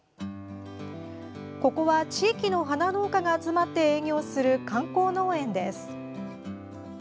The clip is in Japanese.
ここは地域の花農家が集まって営業する観光農園です。